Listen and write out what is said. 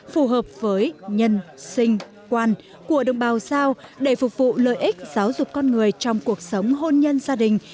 phù hợp với nhân sinh quan của đồng bào giao để phục vụ lợi ích giáo dục con người trong cuộc sống hôn nhân gia đình